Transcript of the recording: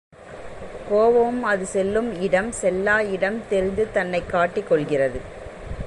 கோபமும் அது செல்லும் இடம், செல்லா இடம் தெரிந்து தன்னைக் காட்டிக்கொள்கிறது.